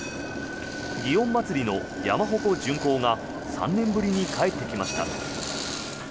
祇園祭の山鉾巡行が３年ぶりに帰ってきました。